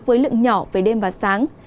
với lượng nhỏ về đêm và sáng